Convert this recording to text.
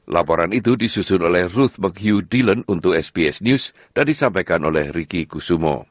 laporan itu disusun oleh ruth mchugh dillon untuk sbs news dan disampaikan oleh ricky kusumo